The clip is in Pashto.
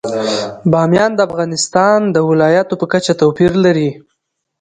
بامیان د افغانستان د ولایاتو په کچه توپیر لري.